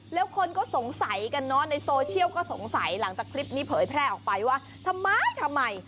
แล้วคนก็สงสัยกันเนอะในโซเชียลก็สงสัยหลังจากคลิปนี้เผยแพร่ออกไปว่าทำไมทำไม